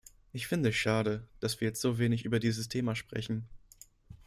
Ich finde es schade, dass wir jetzt so wenig über dieses Thema sprechen.